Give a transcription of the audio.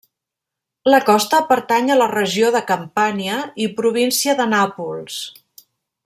La costa pertany a la regió de Campània i província de Nàpols.